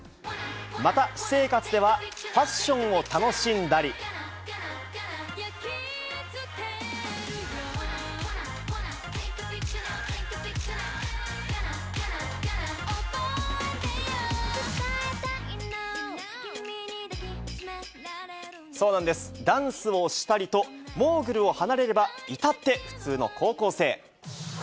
また私生活では、ファッションを楽しんだり、そうなんです、ダンスをしたりと、モーグルを離れれば、至って普通の高校生。